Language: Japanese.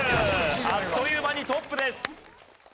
あっという間にトップです。